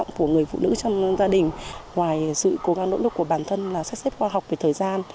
ngoài sự cố gắng nỗ lực của bản thân là xét xếp khoa học về thời gian